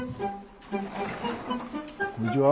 こんにちは。